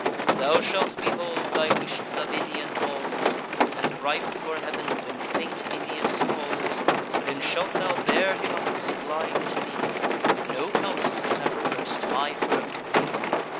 Thou shalt behold thy wish'd Lavinian walls; And, ripe for heav'n, when fate Aeneas calls, Then shalt thou bear him up, sublime, to me: No councils have revers'd my firm decree.